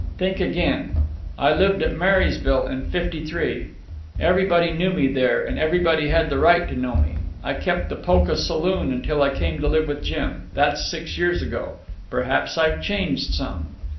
"Think again! I lived at Marysville in '53. Everybody knew me there, and everybody had the right to know me. I kept the Polka saloon until I came to live with Jim. That's six years ago. Perhaps I've changed some."